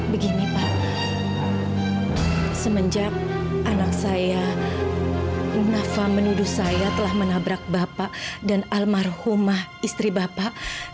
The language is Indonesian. begini pak semenjak anak saya unafa menuduh saya telah menabrak bapak dan almarhumah istri bapak